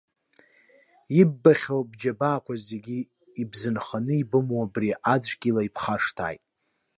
Иббахьоу бџьабаақәа зегьы ибзынханы ибымоу абри аӡәк ила ибхашҭааит!